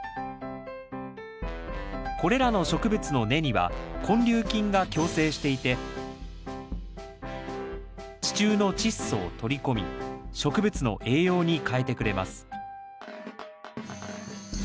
これらの植物の根には根粒菌が共生していて地中のチッ素を取り込み植物の栄養に変えてくれます